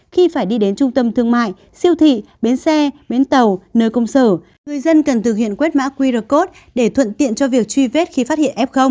khi phải đi đến trung tâm thương mại siêu thị bến xe bến tàu nơi công sở người dân cần thực hiện quét mã qr code để thuận tiện cho việc truy vết khi phát hiện f